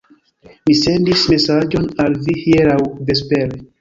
Mi sendis mesaĝon al vi hieraŭ vespere.